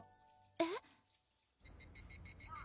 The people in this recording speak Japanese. えっ？